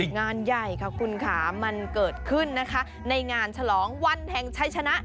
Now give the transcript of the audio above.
งานใหญ่ค่ะคุณค่ะมันเกิดขึ้นนะคะในงานฉลองวันแห่งชัยชนะ